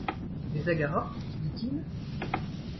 Des aguaras ? dit-il.